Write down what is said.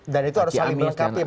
dan itu harus saling melengkapi